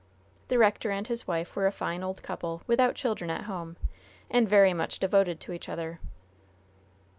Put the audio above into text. The rector and his wife were a fine old couple, without children at home, and very much devoted to each other.